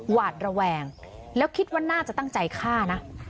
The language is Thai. หวาดระแวงแล้วคิดว่าน่าจะตั้งใจฆ่านะ